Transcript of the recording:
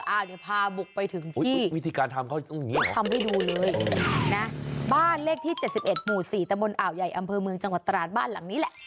อ้าวเดี๋ยวพาบุกไปถึงที่บ้านเลขที่๗๑หมู่๔ตะบนอาวใหญ่อำเภอเมืองจังหวัดตราศบ้านหลังนี้แหละ